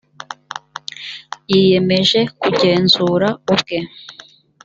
yiyemeje kugenzura ubwe .